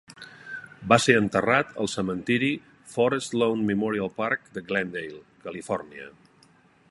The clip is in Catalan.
Va ser enterrat al cementiri Forest Lawn Memorial Park de Glendale, Califòrnia.